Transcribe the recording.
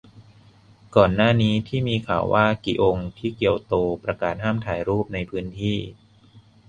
ก่อนหน้านี้ที่มีข่าวว่ากิองที่เกียวโตประกาศห้ามถ่ายรูปในพื้นที่